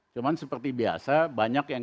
cuma seperti biasa banyak yang